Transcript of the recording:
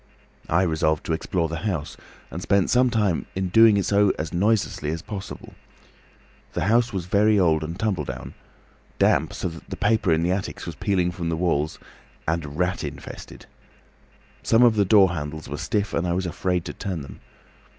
"I resolved to explore the house, and spent some time in doing so as noiselessly as possible. The house was very old and tumble down, damp so that the paper in the attics was peeling from the walls, and rat infested. Some of the door handles were stiff and I was afraid to turn them.